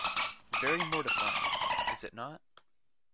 Very mortifying, is it not?